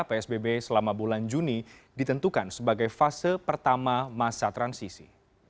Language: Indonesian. psbb selama bulan juni ditentukan sebagai fase pertama masa transisi